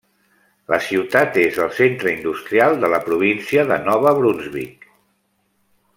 La ciutat és el centre industrial de la província de Nova Brunsvic.